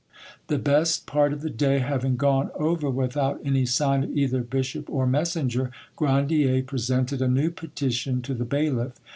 The best part of the day having gone over without any sign of either bishop or messenger, Grandier presented a new petition to the bailiff.